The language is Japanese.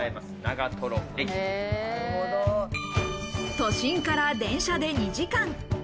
都心から電車で２時間。